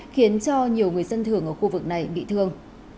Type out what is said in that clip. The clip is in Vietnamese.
khiến cho nhiều người dân thường ở khu vực này bị thương